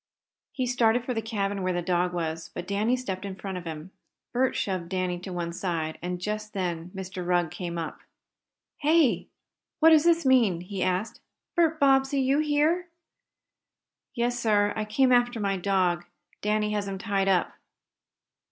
He started for the cabin where the dog was, but Danny stepped in front of him. Bert shoved Danny to one side, and just then Mr. Rugg came up. "Here! What does this mean?" he asked. "Bert Bobbsey, you here?" "Yes, sir. I came after my dog. Danny has him tied up!"